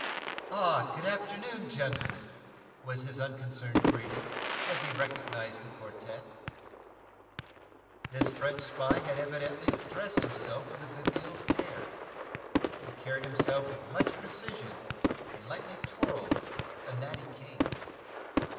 "Ah, good afternoon, gentlemen," was his unconcerned greeting, as he recognized the quartette. This French spy had evidently dressed himself with a good deal of care. He carried himself with much precision and lightly twirled a natty cane.